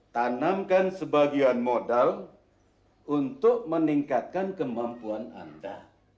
tanamkan sebagian modal untuk meningkatkan kemampuan anda